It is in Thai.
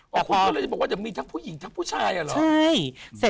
คุณก็เลยจะบอกว่าเดี๋ยวมีทั้งผู้หญิงทั้งผู้ชายอ่ะเหรอ